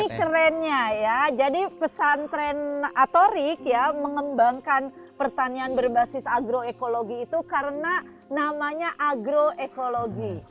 ini kerennya ya jadi pesantren atorik ya mengembangkan pertanian berbasis agroekologi itu karena namanya agroekologi